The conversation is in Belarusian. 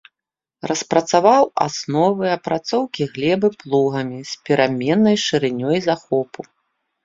Распрацаваў асновы апрацоўкі глебы плугамі з пераменнай шырынёй захопу.